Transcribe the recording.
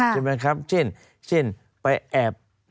ใช่ไหมครับเช่นไปอาบ